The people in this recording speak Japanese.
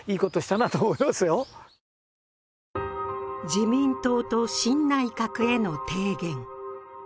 自民党と新内閣への提言。